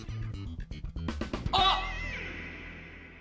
あっ！